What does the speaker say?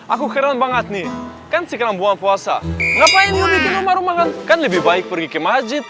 aku keren banget nih kan sekarang buang puasa ngapain lebih baik pergi ke masjid